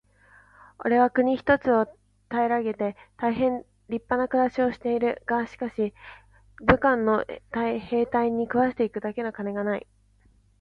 「おれは国一つを平げて大へん立派な暮しをしている。がしかし、部下の兵隊に食わして行くだけの金がない。」